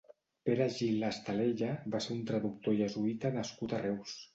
Pere Gil Estalella va ser un traductor Jesuïta nascut a Reus.